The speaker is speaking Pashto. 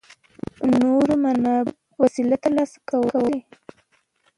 نورو منابعو وسلې ترلاسه کولې.